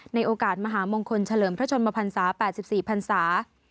ในโอกาสมหามงคลเฉลิมพระชนมภัณฑ์ศาสตร์๘๔ภัณฑ์ศาสตร์